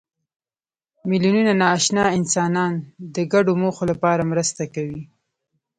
میلیونونه ناآشنا انسانان د ګډو موخو لپاره مرسته کوي.